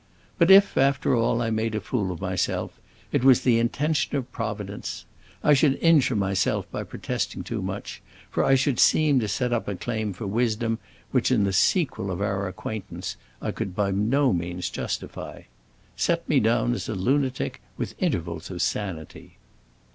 But if, after all, I made a fool of myself, it was the intention of Providence. I should injure myself by protesting too much, for I should seem to set up a claim for wisdom which, in the sequel of our acquaintance, I could by no means justify. Set me down as a lunatic with intervals of sanity."